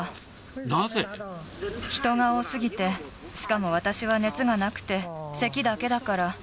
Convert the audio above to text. なぜ？人が多すぎて、しかも私は熱がなくて、せきだけだから。